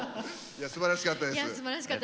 いやすばらしかったです。